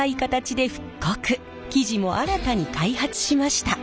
生地も新たに開発しました。